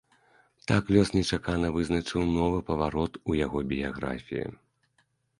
Так лёс нечакана вызначыў новы паварот у яго біяграфіі.